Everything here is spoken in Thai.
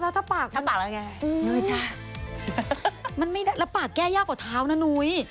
แล้วถ้าปากถ้าปากแล้วไงนุ้ยจ้ะมันไม่ได้แล้วปากแก้ยากกว่าเท้านะนุ้ย